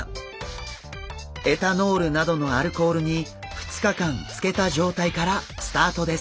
エタノールなどのアルコールに２日間つけた状態からスタートです。